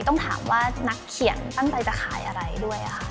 ต้องถามว่านักเขียนตั้งใจจะขายอะไรด้วยค่ะ